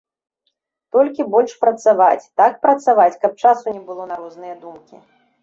Толькі больш працаваць, так працаваць, каб часу не было на розныя думкі.